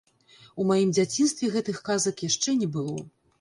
У маім дзяцінстве гэтых казак яшчэ не было.